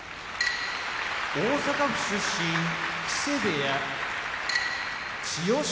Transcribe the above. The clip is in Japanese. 大阪府出身木瀬部屋千代翔